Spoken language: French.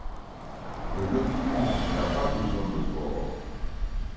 Le Nautilus n’a pas besoin de port.